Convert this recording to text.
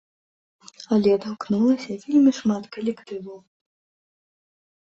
Але адгукнулася вельмі шмат калектываў.